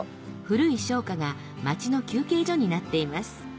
古い商家が町の休憩所になっています